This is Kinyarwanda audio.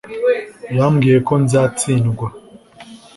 yambwiye ko nzatsindwa